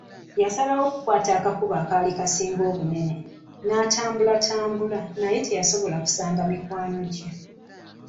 Naasalawo okukwata akakubo akaali kasingako obunene, n'atambulatambula, naye teyasobola kusanga mikwano gye.